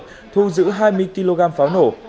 đương thu dữ hai mươi kg pháo nổ